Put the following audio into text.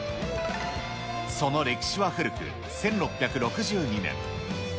その歴史は古く、１６６２年。